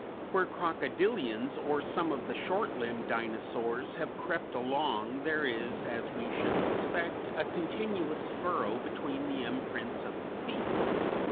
Where crocodilians or some of the short limbed Dinosaurs have crept along there is, as we should expect, a continuous furrow between the imprints of the feet.